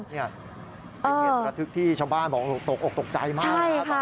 เนี่ยเป็นเหตุประทึกที่ชาวบ้านบอกตกตกใจมาก